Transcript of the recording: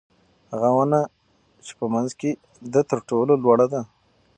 هغه ونه چې په منځ کې ده تر ټولو لوړه ده.